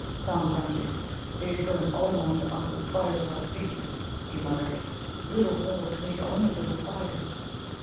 Thumb grunted. "They'd burn all Munza up with fires like these," he muttered. "Little wolves need only little fires."